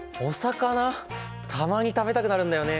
たまに食べたくなるんだよね。